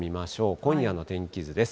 今夜の天気図です。